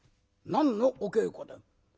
「何のお稽古で？」。